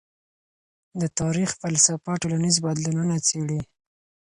د تاریخ فلسفه ټولنیز بدلونونه څېړي.